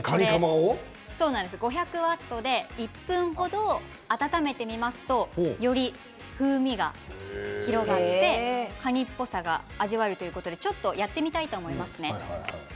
５００ワットで１分程温めてみますとより風味が広がってカニっぽさが味わえるということで、ちょっとやってみます。